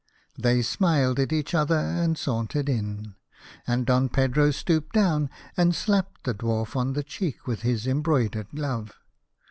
They smiled at each other, and sauntered in, and Don Pedro stooped down, and slapped the Dwarf on the cheek with his embroidered glove.